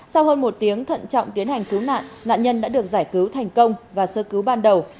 sau hơn một tiếng thận trọng tiến hành cứu nạn nạn nhân đã được giải cứu thành công và sơ cứu ban đầu